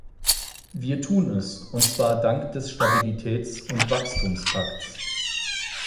Wir tun es, und zwar dank des Stabilitäts- und Wachstumspakts.